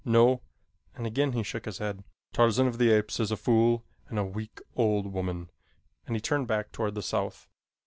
No," and again he shook his head. "Tarzan of the Apes is a fool and a weak, old woman," and he turned back toward the south.